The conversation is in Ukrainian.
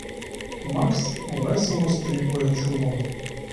Макс весело стріпує чубом!